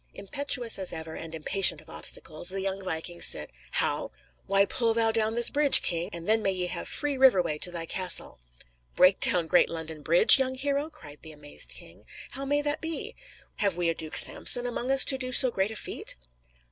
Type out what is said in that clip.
Impetuous as ever, and impatient of obstacles, the young viking said: "How? why, pull thou down this bridge, king, and then may ye have free river way to thy castle." "Break down great London Bridge, young hero?" cried the amazed king. "How may that be? Have we a Duke Samson among us to do so great a feat?"